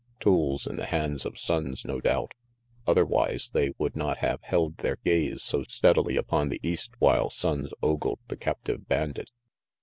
Tools in the hands of Sonnes, no doubt. Otherwise they would not have held their gaze so steadily upon the east while Sonnes ogled the captive bandit.